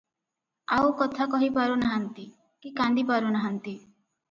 ଆଉ କଥା କହି ପାରୁ ନାହାନ୍ତି, କି କାନ୍ଦି ପାରୁ ନାହାନ୍ତି ।